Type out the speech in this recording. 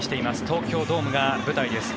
東京ドームが舞台です。